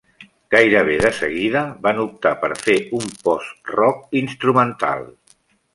Gairebé de seguida van optar per fer un postrock instrumental.